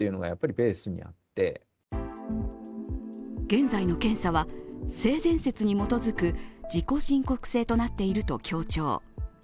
現在の検査は、性善説に基づく自己申告制となっていると強調。